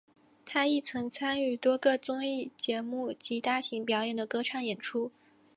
他亦曾参与多个综艺节目及大型表演的歌唱演出。